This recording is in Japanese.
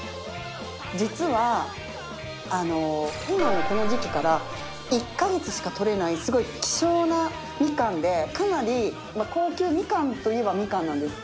実は今この時期から１か月しかとれないすごい希少なミカンでかなり高級ミカンといえばミカンなんです。